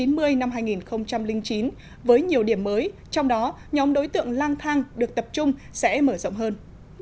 năm hai nghìn chín với nhiều điểm mới trong đó nhóm đối tượng lang thang được tập trung sẽ mở rộng hơn